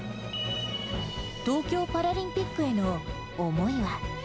東京パラリンピックへの思いは。